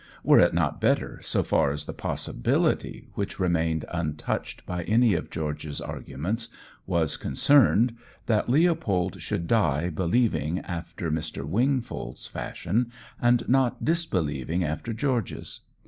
Were it not better, so far as the POSSIBILITY which remained untouched by any of George's arguments was concerned, that Leopold should die believing after Mr. Wingfold's fashion, and not disbelieving after George's?